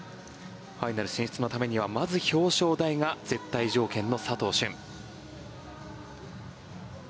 ファイナル進出のためにはまずは表彰台が絶対条件の佐藤駿。